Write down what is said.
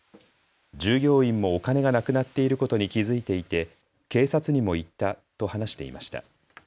従業員もお金がなくなっていることに気付いていて警察にも言ったと話していました。